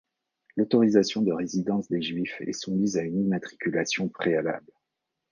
L'autorisation de résidence des Juifs est soumise à une immatriculation préalable.